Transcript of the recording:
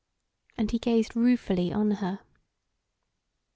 And he gazed ruefully on her.